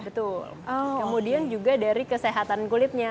betul kemudian juga dari kesehatan kulitnya